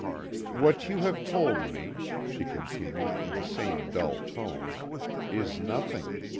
_" "What you have told me," she continued, in the same dull tone, "Is nothing.